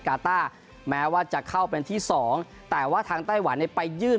กาต้าแม้ว่าจะเข้าเป็นที่สองแต่ว่าทางไต้หวันเนี่ยไปยื่น